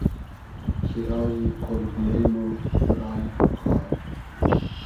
کی رایی قۉل بیلې مۉ رایی پور خار